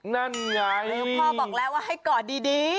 นั่นไงพ่อบอกแล้วว่าให้กอดดี